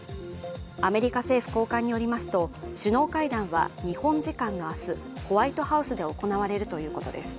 アメリカ政府高官によりますと首脳会談は日本時間の明日、ホワイトハウスで行われるということです。